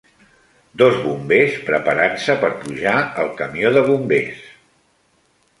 Dos bombers preparant-se per pujar al camió de bombers.